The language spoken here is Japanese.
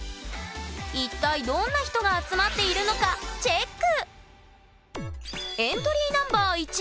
一体どんな人が集まっているのかチェック！